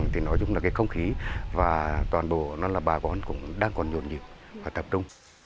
thì nói chung là cái không khí và toàn bộ nó là bà con cũng đang còn nhộn nhịp và tập trung